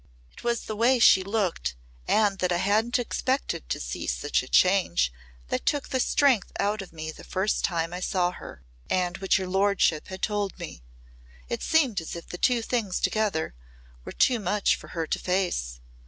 "It was the way she looked and that I hadn't expected to see such a change, that took the strength out of me the first time I saw her. And what your lordship had told me. It seemed as if the two things together were too much for her to face.